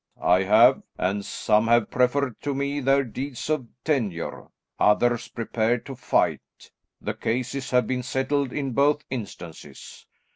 "I have, and some have preferred to me their deeds of tenure, others prepared to fight; the cases have been settled in both instances.